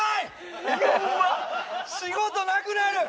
仕事なくなる！